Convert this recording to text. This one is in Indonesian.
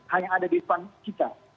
hanya ada depan kita